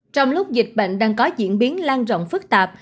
trong lúc dịch bệnh đang có diễn biến lan rộng phức tạp